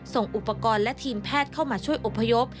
ส่งอุปกรณ์และทีมแพทย์เข้ามาช่วยอพยพ